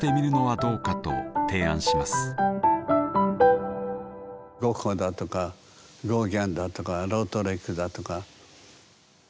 ゴッホだとかゴーギャンだとかロートレックだとかご存じでしょ？